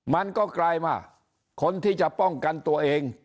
มันก็กลายมาคนที่จะป้องกันตัวเอง